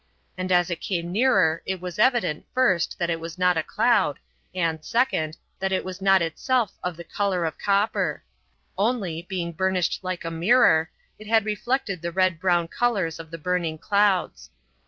And as it came nearer it was evident, first, that it was not a cloud, and, second, that it was not itself of the colour of copper; only, being burnished like a mirror, it had reflected the red brown colours of the burning clouds.